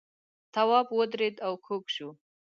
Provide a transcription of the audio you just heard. تواب ودرېد او کوږ شو.